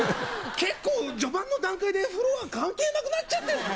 結構序盤の段階で、風呂は関係なくなっちゃったよね。